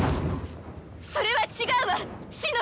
それは違うわ紫乃！